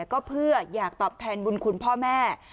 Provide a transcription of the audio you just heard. ก็เพื่ออยากตอบแทนบุญคุณพ่อแม่